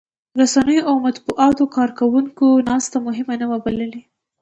رسنيو او د مطبوعاتو کارکوونکو ناسته مهمه نه وه بللې.